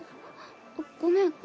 ごめん。